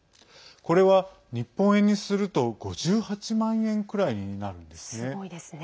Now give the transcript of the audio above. これは、日本円にすると５８万円くらいになるんですね。